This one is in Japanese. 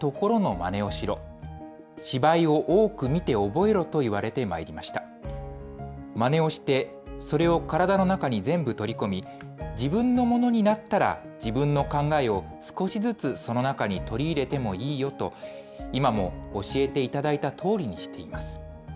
まねをして、それを体の中に全部取り込み、自分のものになったら、自分の考えを少しずつその中に取り入れてもいいよと、今も教えていただいたとおりにしています。